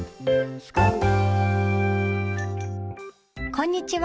こんにちは。